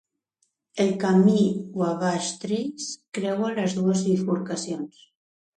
El camí Wabash Trace creua les dues bifurcacions.